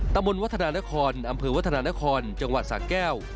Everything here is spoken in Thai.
ตำบลวัฒนานครอำเภอวัฒนานครจังหวัดสะแก้ว